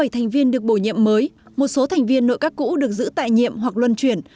bảy thành viên được bổ nhiệm mới một số thành viên nội các cũ được giữ tại nhiệm hoặc luân chuyển